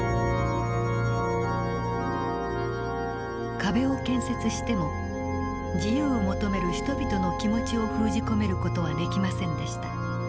壁を建設しても自由を求める人々の気持ちを封じ込める事はできませんでした。